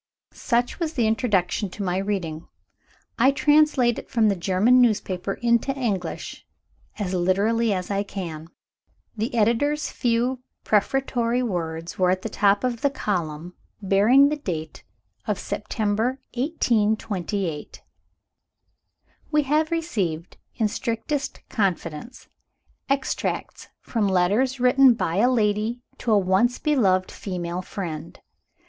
Such was the introduction to my reading. I translate it from the German newspaper into English as literally as I can. The Editor's few prefatory words were at the top of the column, bearing the date of September 1828. "We have received, in strictest confidence, extracts from letters written by a lady to a once beloved female friend.